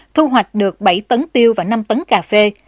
thu hoạch được bảy tấn tiêu và năm tấn cà phê